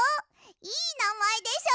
いいなまえでしょ。